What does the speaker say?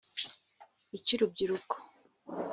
icy’urubyiruko